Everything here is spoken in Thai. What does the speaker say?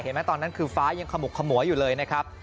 ตอนนั้นคือฟ้ายังขมุกขมัวอยู่เลยนะครับ